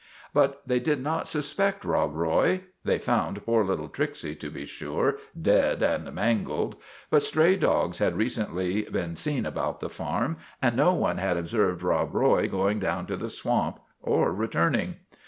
" But they did not suspect Rob Roy. They found poor little Tricksy, to be sure, dead and mangled; but stray dogs had recently been seen about the farm, and no one had observed Rob Roy going down to the swamp or returning.